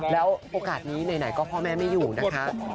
แล้วโอกาสนี้ไหนก็พ่อแม่ไม่อยู่นะคะ